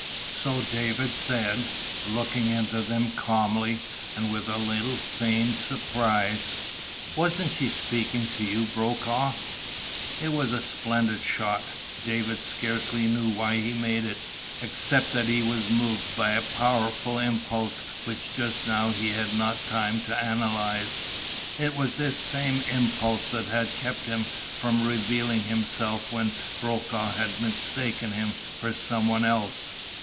So David said, looking into them calmly, and with a little feigned surprise: "Wasn't she speaking to you, Brokaw?" It was a splendid shot. David scarcely knew why he made it, except that he was moved by a powerful impulse which just now he had not time to analyze. It was this same impulse that had kept him from revealing himself when Brokaw had mistaken him for someone else.